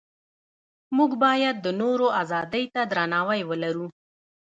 موږ باید د نورو ازادۍ ته درناوی ولرو.